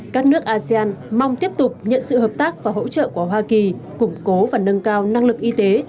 các nước asean mong tiếp tục nhận sự hợp tác và hỗ trợ của hoa kỳ củng cố và nâng cao năng lực y tế